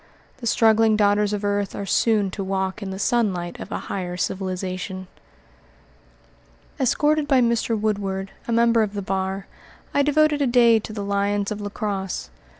The struggling daughters of earth are soon to walk in the sunlight of a higher civilization. Escorted by Mr. Woodward, a member of the bar, I devoted a day to the lions of La Crosse.